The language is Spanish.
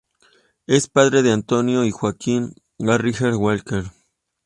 Es padre de Antonio y Joaquín Garrigues Walker.